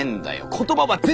言葉はぜ